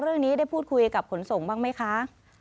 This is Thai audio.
เรื่องนี้ได้พูดคุยกับขนส่งบ้างไหมคะ